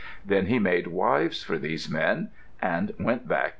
Then he made wives for these men, and went back to Man.